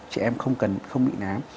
trẻ em không cần không bị nám